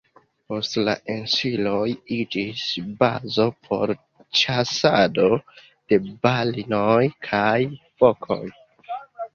Poste la insuloj iĝis bazo por ĉasado de balenoj kaj fokoj.